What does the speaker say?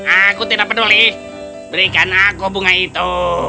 aku tidak peduli berikan aku bunga itu